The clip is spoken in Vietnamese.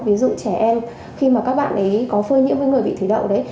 ví dụ trẻ em khi mà các bạn ấy có phơi nhiễm với người bị thủy đậu đấy